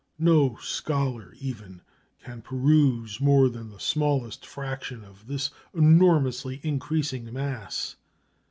No scholar, even, can peruse more than the smallest fraction of this enormously increasing mass.